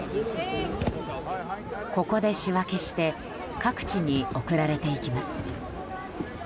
ここで仕分けして各地に送られていきます。